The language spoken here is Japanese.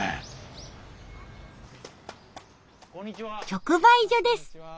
直売所です。